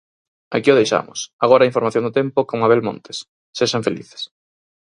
Aquí o deixamos, agora a información do tempo con Mabel Montes, sexan felices.